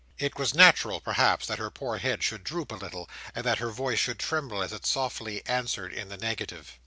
it was natural, perhaps, that her poor head should droop a little, and that her voice should tremble as it softly answered in the negative.